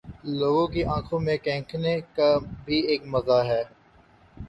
لوگوں کی آنکھوں میں کھٹکنے کا بھی ایک مزہ ہے